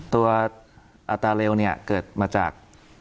ตัวอาจารย์เร็วเกิดมาจาก